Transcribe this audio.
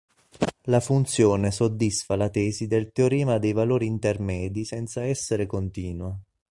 La funzione soddisfa la tesi del teorema dei valori intermedi senza essere continua.